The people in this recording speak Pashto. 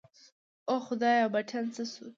اوه خدايه بټن څه سو.